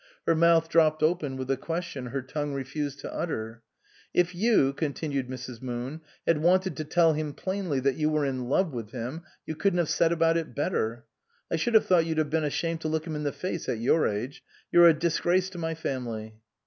Her mouth dropped open with the question her tongue refused to utter. " If you," continued Mrs. Moon, " had wanted to tell him plainly that you were in love with him, you couldn't have set about it better. I should have thought you'd have been ashamed to look him in the face at your age. You're a disgrace to my family